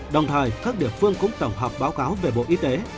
đồng thời các địa phương cũng tổng hợp báo cáo về bộ y tế